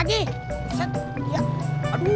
aduh aduh aduh aduh